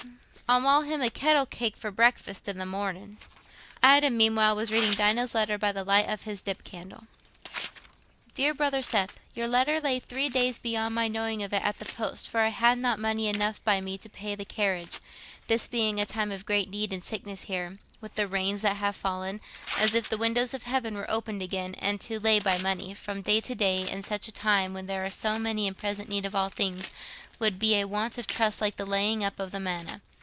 I'll ma' him a kettle cake for breakfast i' the mornin'." Adam, meanwhile, was reading Dinah's letter by the light of his dip candle. DEAR BROTHER SETH—Your letter lay three days beyond my knowing of it at the post, for I had not money enough by me to pay the carriage, this being a time of great need and sickness here, with the rains that have fallen, as if the windows of heaven were opened again; and to lay by money, from day to day, in such a time, when there are so many in present need of all things, would be a want of trust like the laying up of the manna.